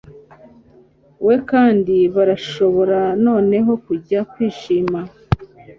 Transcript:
we kandi barashobora noneho kujya kwishima